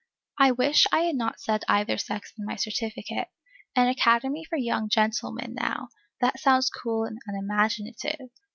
I wish I had not said either sex in my certificate. An academy for young gentlemen, now; that sounds cool and unimaginative.